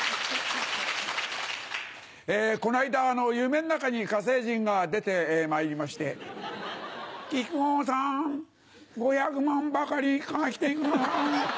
この間夢の中に火星人が出てまいりまして木久扇さん５００万ばかり貸してください。